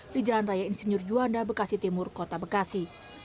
di jalan raya insinyur juanda bekasi timur kota bekasi